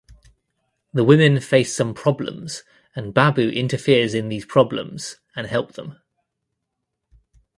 The women face some problems and Babu interferes in these problems and help them.